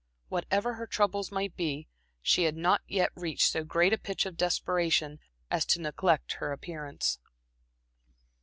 Whatever her troubles might be, she had not yet reached so great a pitch of desperation as to neglect her appearance.